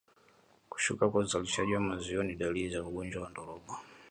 Kushuka kwa uzalishaji wa maziwa ni dalili za ugonjwa wa ndorobo